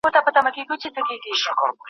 په کور کې د ماشومانو لپاره ارامه فضا جوړه کړئ.